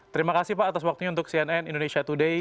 terima kasih pak atas waktunya untuk cnn indonesia today